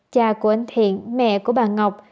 cha của anh thiện mẹ của bà ngọc